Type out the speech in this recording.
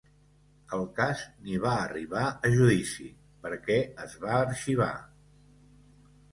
El cas ni va arribar a judici perquè es va arxivar….